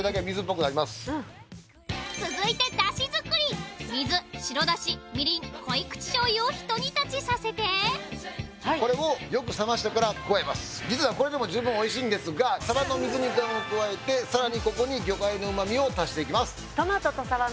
続いてだし作り水白だしみりん濃口しょうゆをひと煮立ちさせて実はこれでも十分おいしいんですがサバの水煮缶を加えてさらにここに魚介のうま味を足していきます。